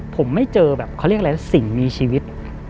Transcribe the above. ผมไม่เจอสิ่งมีชีวิต